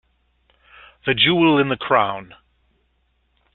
The jewel in the crown.